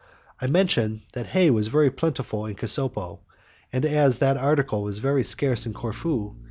I mentioned that hay was very plentiful in Casopo, and as that article was very scarce in Corfu, M.